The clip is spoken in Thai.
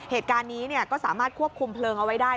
เหตุการณ์นี้ก็สามารถควบคุมเพลิงเอาไว้ได้